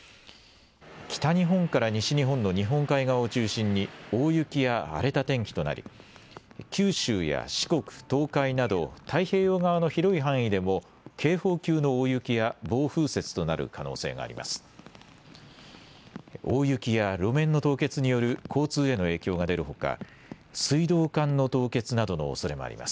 北日本から西日本の日本海側を中心に大雪や荒れた天気となり九州や四国、東海など太平洋側の広い範囲でも警報級の大雪や暴風雪となる可能性があります。